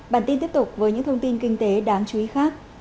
bản tin tiếp tục với những thông tin kinh tế đáng chú ý khác